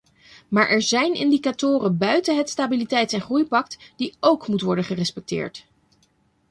Maar er zijn indicatoren buiten het stabiliteits- en groeipact die ook moet worden gerespecteerd.